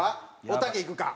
おたけいくか？